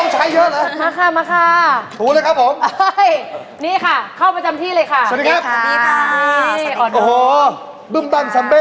นุ่มต่ำจัมป์